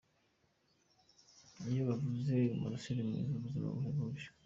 Iyo bavuze Umurasire Mwiza Ubuzima buhebuje.